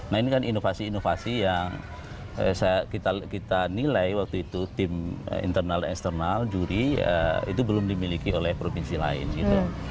nah ini kan inovasi inovasi yang kita nilai waktu itu tim internal eksternal juri itu belum dimiliki oleh provinsi lain gitu